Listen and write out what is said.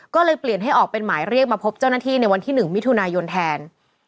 ก็เลยเปลี่ยนให้ออกเป็นหมายเรียกมาพบเจ้าหน้าที่ในวันที่๑มิถุนายนแทน